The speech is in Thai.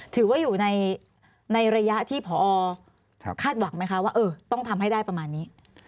ถือว่าอยู่ในระยะที่พอคาดหวังไหมคะว่าต้องทำให้ได้ประมาณนี้